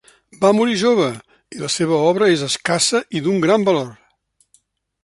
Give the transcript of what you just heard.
Va morir jove i la seva obra és escassa i d'un gran valor.